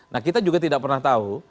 nah kita juga tidak pernah tahu